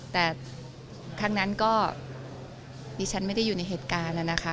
แต่ครั้งนั้นก็ดิฉันไม่ได้อยู่ในเหตุการณ์นะคะ